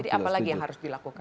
jadi apalagi yang harus dilakukan